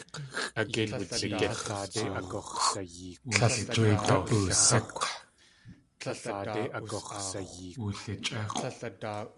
Líl tuyda.oosík̲!